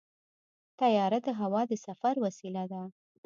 طیاره د هوا د سفر وسیله ده.